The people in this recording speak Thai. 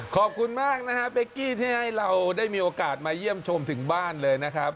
ขอบคุณมากนะฮะเป๊กกี้ที่ให้เราได้มีโอกาสมาเยี่ยมชมถึงบ้านเลยนะครับ